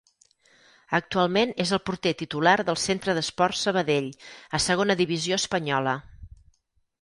Actualment és el porter titular del Centre d'Esports Sabadell, a Segona Divisió espanyola.